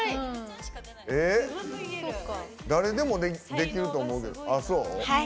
誰でもできると思うけど。